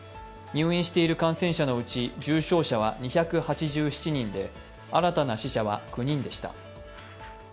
入院している感染者のうち重症者は２８７人で新たな死者は９人でした。